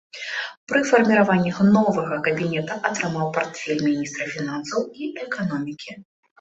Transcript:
Пры фарміраванні новага кабінета атрымаў партфель міністра фінансаў і эканомікі.